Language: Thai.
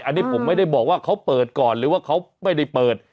อันนี้ผมไม่ได้บอกว่าเขาเปิดก่อนหรือว่าเขาไม่ได้เปิด